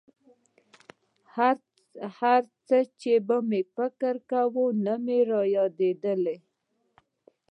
چې هرڅه به مې فکر کاوه نه مې رايادېدل.